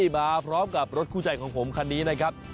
มาพร้อมกับรถคู่ใจของผมคันนี้นะครับ